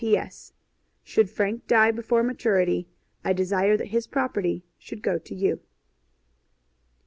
P.S. Should Frank die before maturity I desire that his property should go to you.